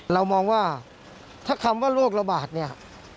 เรามองว่าถ้าคำว่าโรคระบาดเนี่ย